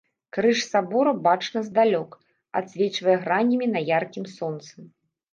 Крыж сабора бачны здалёк, адсвечвае гранямі на яркім сонцы.